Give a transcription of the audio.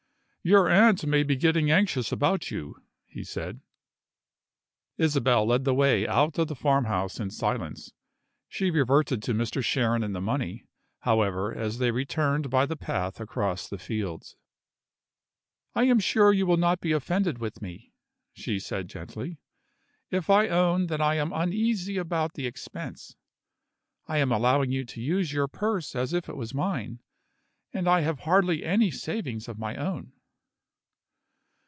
"Your aunt may be getting anxious about you." he said. Isabel led the way out of the farmhouse in silence. She reverted to Mr. Sharon and the money, however, as they returned by the path across the fields. "I am sure you will not be offended with me," she said gently, "if I own that I am uneasy about the expense. I am allowing you to use your purse as if it was mine and I have hardly any savings of my own."